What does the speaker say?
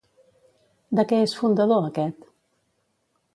De què és fundador aquest?